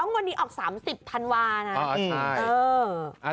งวดนี้ออก๓๐พันวานะอ๋อใช่